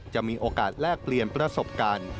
จะมีโอกาสแลกเปลี่ยนประสบการณ์